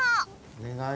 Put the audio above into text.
おねがい！